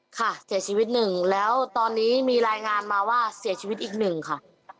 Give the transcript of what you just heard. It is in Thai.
ค่ะเสียชีวิตหนึ่งแล้วตอนนี้มีรายงานมาว่าเสียชีวิตอีกหนึ่งค่ะ